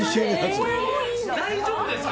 大丈夫ですか？